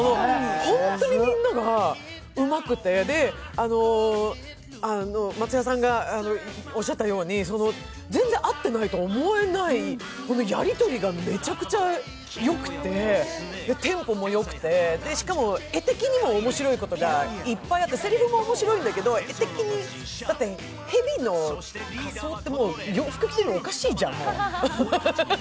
ほんとにみんながうまくて、松也さんがおっしゃったように全然会ってないと思えない、やりとりがめちゃくちゃよくて、テンポもよくて、しかも絵的にも面白いことがいっぱいあって、せりふも面白いんだけど、画的に蛇の仮装って、洋服着てるのおかしいじゃん。